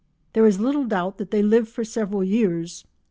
There is little doubt that they live for several years.